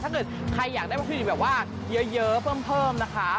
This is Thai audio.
ถ้าเกิดใครอยากได้วัตถุดิบแบบว่าเยอะเพิ่มนะคะ